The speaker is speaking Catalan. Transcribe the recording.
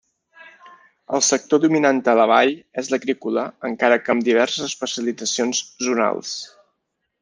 El sector dominant a la vall és l'agrícola encara que amb diverses especialitzacions zonals.